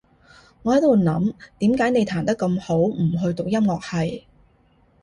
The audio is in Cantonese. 我喺度諗，點解你彈得咁好，唔去讀音樂系？